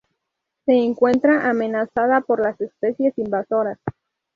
Se encuentra amenazada por las especies invasoras.